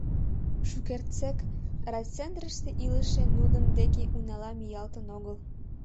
Шукертсек райцентрыште илыше нудым деке унала миялтын огыл.